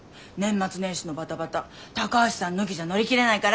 年末年始のバタバタ高橋さん抜きじゃ乗り切れないから！